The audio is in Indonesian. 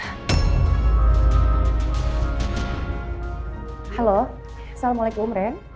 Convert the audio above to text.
halo assalamualaikum ren